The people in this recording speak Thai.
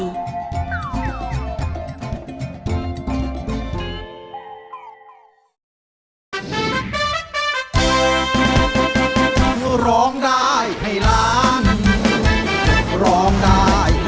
สวัสดีครับคุณผู้ชม